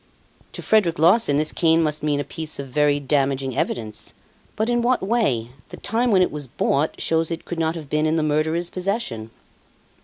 "To Frederic Larsan this cane must mean a piece of very damaging evidence. But in what way? The time when it was bought shows it could not have been in the murderer's possession."